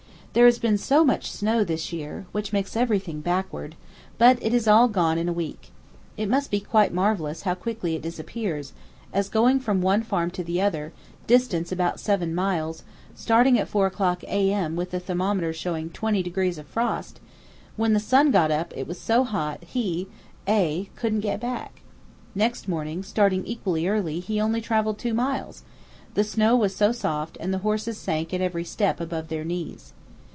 There has been so much snow this year, which makes everything backward; but it has all gone in a week. It must be quite marvellous how quickly it disappears, as, going from one farm to the other, distance about seven miles, starting at 4 o'clock A.M. with the thermometer showing twenty degrees of frost, when the sun got up it was so hot he, A , couldn't get back. Next morning, starting equally early, he only travelled two miles; the snow was so soft the horses sank at every step above their knees.